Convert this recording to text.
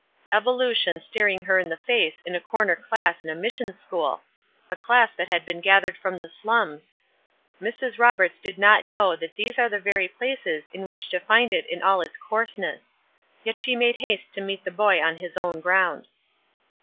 Evolution staring her in the face in a corner class in a mission school; a class that had been gathered from the slums! Mrs. Roberts did not know that these are the very places in which to find it in all its coarseness. Yet she made haste to meet the boy on his own ground.